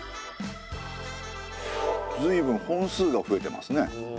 随分本数が増えてますね。